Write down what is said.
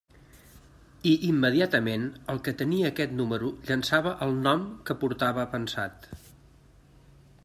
I immediatament el que tenia aquest número llançava el nom que portava pensat.